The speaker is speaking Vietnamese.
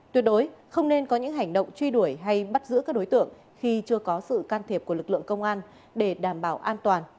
tuyệt đối không nên có những hành động truy đuổi hay bắt giữ các đối tượng khi chưa có sự can thiệp của lực lượng công an để đảm bảo an toàn